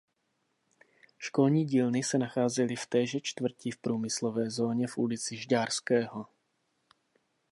Školní dílny se nacházely v téže čtvrti v průmyslové zóně v ulici Žďárského.